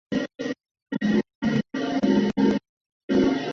子公司化之后其工作室转移至小平市小川町。